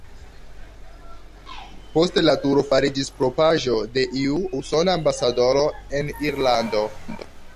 Poste la turo fariĝis propraĵo de iu usona ambasadoro en Irlando.